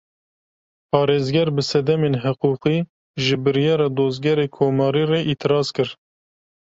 Parêzger, bi sedemên hiqûqî, ji biryara Dozgerê Komarî re îtiraz kir